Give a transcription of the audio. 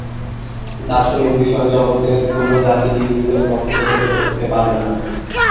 দার্শনিক বিষয়ে জগতের কোন জাতই হিন্দুদের পথপ্রদর্শক হতে পারবে না।